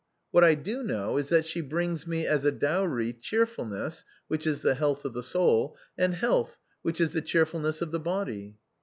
What I do know is that she brings me as a dowry cheerfulness, which is the health of the soul, and health, which is the cheerfulness of the body."